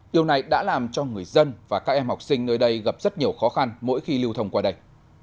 điều này đã làm cho người dân và các em học sinh nơi đây gặp rất nhiều khó khăn mỗi khi lưu thông qua đây